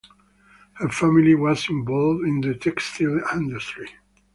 Her family was involved in the textile industry.